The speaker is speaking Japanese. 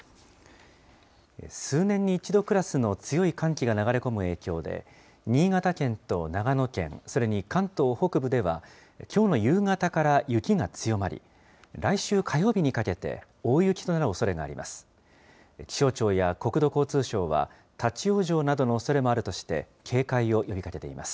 数年に一度クラスの強い寒気が流れ込む影響で、新潟県と長野県、それに関東北部では、きょうの夕方から雪が強まり、来週火曜日にかけて、大雪となるおそれがあります。